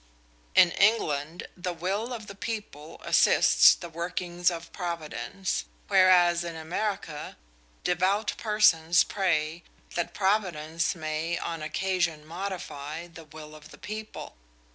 In England the will of the people assists the workings of Providence, whereas in America devout persons pray that Providence may on occasion modify the will of the people.